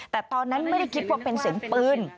แต่ตอนนั้นไม่ได้คิดว่าเป็นเสียงปืน